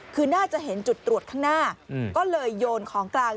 คือน่าจะเห็นจุดตรวจข้างหน้าก็เลยโยนของกลาง